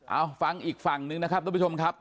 เอาฟังอีกฝั่งนึงนะครับทุกผู้ชมครับ